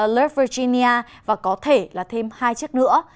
lev virginia và có thể là thêm hai chiếc nữa